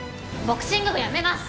ボクシング部やめます！